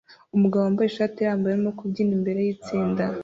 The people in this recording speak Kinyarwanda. Umugabo wambaye ishati irambuye arimo kubyina imbere yitsinda